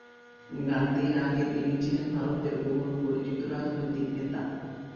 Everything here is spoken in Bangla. গান্ধীর আগে তিনি ছিলেন ভারতের বহুল পরিচিত রাজনৈতিক নেতা।